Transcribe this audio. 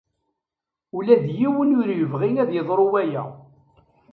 Ula d yiwen ur yebɣi ad yeḍru waya.